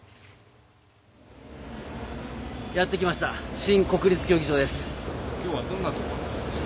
やってきました新国立競技場です。